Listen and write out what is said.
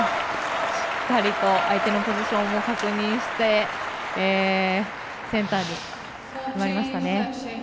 しっかりと相手のポジションを確認してセンターに決まりましたね。